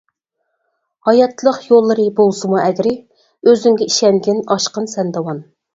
ھاياتلىق يوللىرى بولسىمۇ ئەگرى، ئۆزۈڭگە ئىشەنگىن ئاشقىن سەن داۋان.